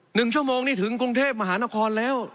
หนึ่งชั่วโมงนี่ถึงกรุงเทพมหานครแล้ว